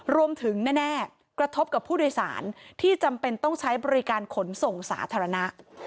แน่กระทบกับผู้โดยสารที่จำเป็นต้องใช้บริการขนส่งสาธารณะ